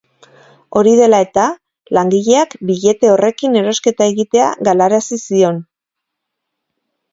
Hori dela eta, langileak billete horrekin erosketa egitea galarazi zion.